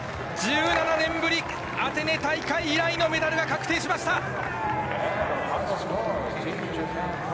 １７年ぶりアテネ大会以来のメダルが確定しました。